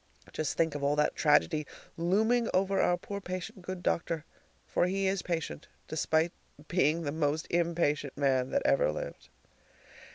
Just think of all that tragedy looming over our poor patient good doctor, for he is patient, despite being the most impatient man that ever lived!